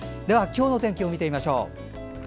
今日の天気を見てみましょう。